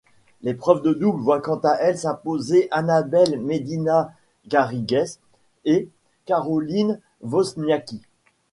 L'épreuve de double voit quant à elle s'imposer Anabel Medina Garrigues et Caroline Wozniacki.